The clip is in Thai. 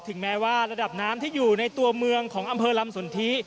แม้ว่าระดับน้ำที่อยู่ในตัวเมืองของอำเภอลำสนทิ